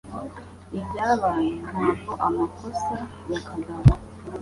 Ibyabaye ntabwo amakosa ya kagabo